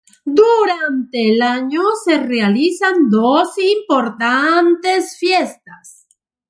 Durante el año se realizan dos importantes fiestas.